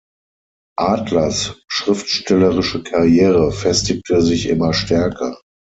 Adlers schriftstellerische Karriere festigte sich immer stärker.